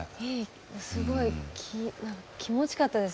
すごいなんか気持ちよかったです